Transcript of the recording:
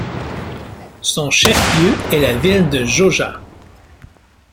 Son chef-lieu est la ville de Jauja.